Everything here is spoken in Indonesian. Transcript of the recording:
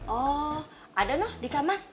oh ada noh di kamar